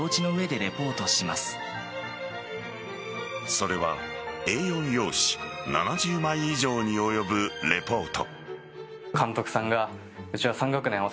それはＡ４用紙７０枚以上に及ぶレポート。